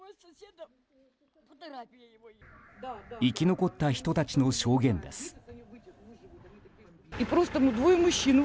生き残った人たちの証言です。